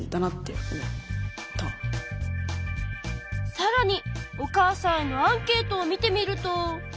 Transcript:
さらにお母さんへのアンケートを見てみると。